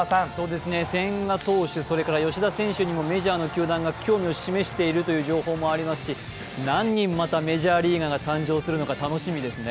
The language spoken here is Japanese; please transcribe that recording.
千賀投手、吉田投手にもメジャーの球団が興味を示しているという情報もありますし、何人またメジャーリーガーが誕生するのか楽しみですね。